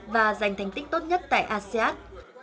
và giành thành tích tốt nhất tại asean